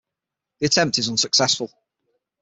The attempt is unsuccessful.